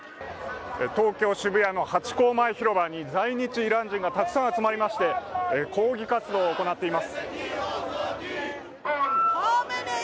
東京・渋谷のハチ公広場に在日イラン人がたくさん集まりまして抗議活動を行っています。